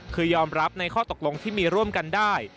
คือยอมรับในข้อตกลงที่มีร่วมกันได้